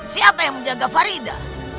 siapa yang menjaga farida